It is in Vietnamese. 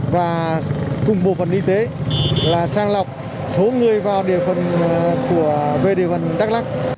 và cùng bộ phần y tế là sang lọc số người vào địa phận của về địa phận đắk lắc